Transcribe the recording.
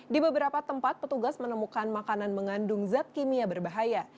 di beberapa tempat petugas menemukan makanan mengandung zat kimia berbahaya